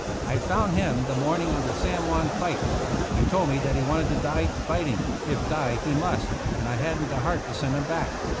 I found him the morning of the San Juan fight. He told me that he wanted to die fighting, if die he must, and I hadn't the heart to send him back.